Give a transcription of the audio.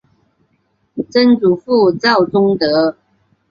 曾祖父赵仲德。